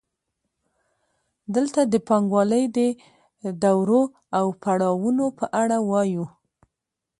دلته د پانګوالۍ د دورو او پړاوونو په اړه وایو